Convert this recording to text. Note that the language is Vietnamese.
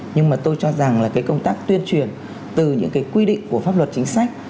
nhưng mà tôi cho rằng là cái công tác tuyên truyền từ những cái quy định của pháp luật chính sách